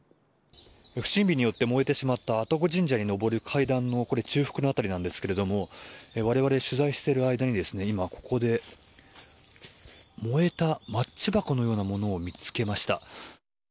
不審火によって燃えてしまった愛宕神社に上る階段の中腹の辺りですが我々、取材している間に今、ここで燃えたマッチ箱のようなものを見つけました。